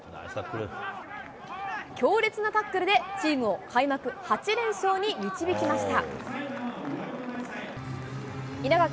強烈なタックルで、チームを開幕８連勝に導きました。